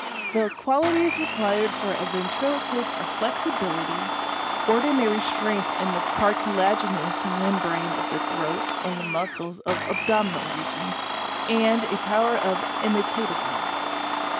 The qualities required for a ventriloquist are flexibility, ordi nary strength in the cartilaginous membrane of the throat and the muscles of abdominal regions, and a power of imitativeness.